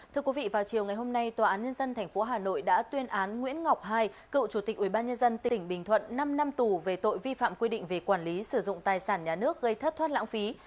thưa quý vị vào chiều ngày hôm nay tòa án nhân dân tp hà nội đã tuyên án nguyễn ngọc hai cựu chủ tịch ubnd tỉnh bình thuận năm năm tù về tội vi phạm quy định về quản lý sử dụng tài sản nhà nước gây thất thoát lãng phí